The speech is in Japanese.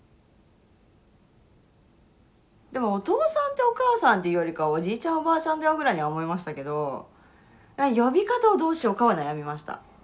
でもお父さんとお母さんっていうよりかはおじいちゃんおばあちゃんだよぐらいには思いましたけど呼び方をどうしようかは悩みました。